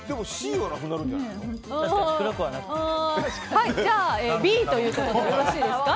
Ｃはなくなるじゃないですか。